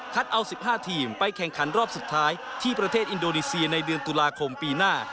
เอา๑๕ทีมไปแข่งขันรอบสุดท้ายที่ประเทศอินโดนีเซียในเดือนตุลาคมปีหน้า